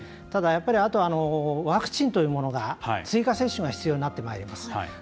ただ、やっぱりあとはワクチンというものが追加接種が必要になってまいります。